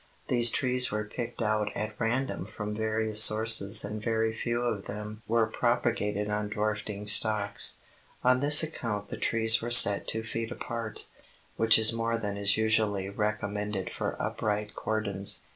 These trees were picked out at random from various sources and very few of them were propagated on dwarfing stocks. On this account the trees were set two feet apart, which is more than is usually recommended for upright cordons.